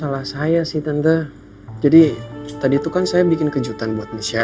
lo harus percaya sama gue